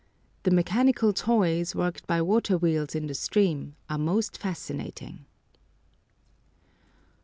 The mechanical toys, worked by water wheels in the stream, are most fascinating.